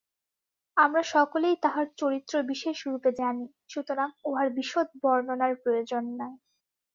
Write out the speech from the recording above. আমরা সকলেই তাঁহার চরিত্র বিশেষরূপে জানি, সুতরাং উহার বিশদ বর্ণনার প্রয়োজন নাই।